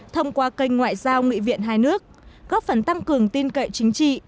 thông qua kênh ngoại giao nghị viện hai nước góp phần tăng cường tin cậy chính trị